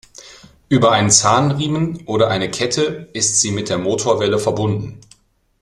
Über einen Zahnriemen oder eine Kette ist sie mit der Motorwelle verbunden.